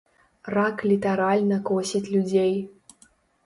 Рак літаральна косіць людзей.